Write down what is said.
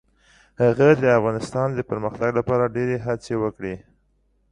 هغه د افغانستان د پرمختګ لپاره ډیرې هڅې وکړې.